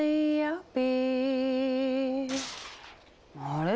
あれ？